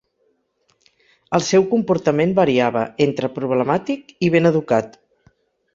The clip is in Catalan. El seu comportament variava entre "problemàtic" i "ben educat".